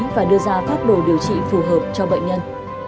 và đưa ra pháp đồ điều trị phù hợp cho bệnh nhân